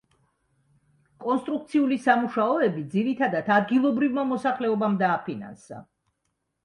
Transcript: კონსტრუქციული სამუშაოები, ძირითადად, ადგილობრივმა მოსახლეობამ დააფინანსა.